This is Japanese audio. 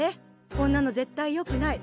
こんなの絶対よくない。